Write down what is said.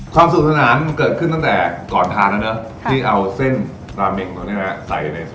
สนุกสนานมันเกิดขึ้นตั้งแต่ก่อนทานแล้วเนอะที่เอาเส้นราเมงตัวนี้นะใส่ใน